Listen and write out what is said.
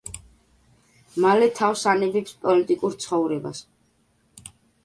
მალე თავს ანებებს პოლიტიკურ ცხოვრებას.